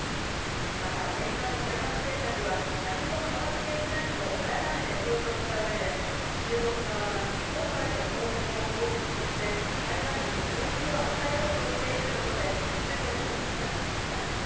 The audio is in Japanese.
また、アメリカの台湾政策は何も変わっていないと改めて強調したうえで、中国側は今回の訪問を口実として、台湾に打撃を与えようとしていると述べ、中国を非難しました。